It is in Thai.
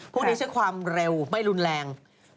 พวกนี้ใช้ความเร็วไม่รุนแรง